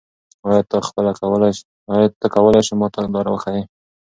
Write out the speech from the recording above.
آیا ته کولای ېې ما ته لاره وښیې؟